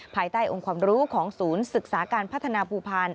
ภายใต้องค์ความรู้ของศูนย์ศึกษาการพัฒนาภูพาล